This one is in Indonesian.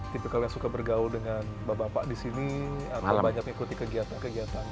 tipikal yang suka bergaul dengan bapak bapak disini atau banyak mengikuti kegiatan